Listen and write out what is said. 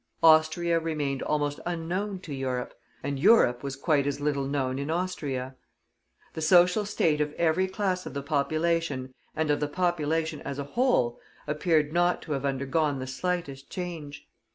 Austria remained almost unknown to Europe, and Europe was quite as little known in Austria. The social state of every class of the population, and of the population as a whole, appeared not to have undergone the slightest change.